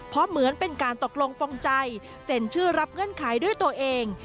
เพราะเหมือนเป็นการตกลงปงใจเซ็นชื่อรับเงื่อนไขด้วยตัวเอง